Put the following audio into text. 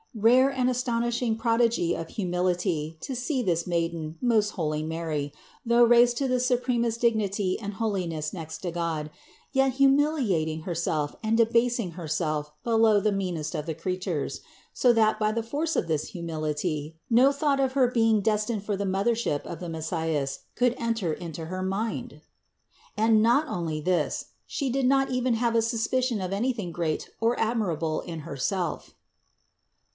Rare and astonishing prodigy of hu mility, to see this Maiden, most holy Mary, though raised to the supremest dignity and holiness next to God, yet humiliating Herself and debasing Herself below the 90 CITY OF GOD meanest of the creatures; so that, by the force of this humility, no thought of her being destined for the Moth ership of the Messias could find entrance into her mind ! And not only this: She did not even have a suspicion of anything great or admirable in Herself (Ps.